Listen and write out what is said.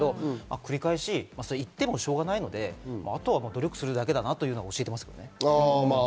繰り返し、言ってもしょうがないので、あとは努力するだけだなと思います。